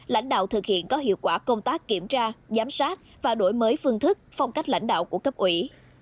lãnh đạo thực hiện có hiệu quả công tác kiểm tra giám sát và đổi mới phương thức phong cách lãnh đạo của cấp ủy